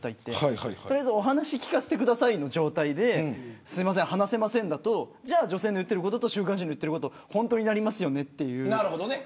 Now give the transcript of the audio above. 取りあえずお話聞かせてくださいの状態ですみません、話せませんだと女性と週刊誌のいっていること本当になりますよねっていう。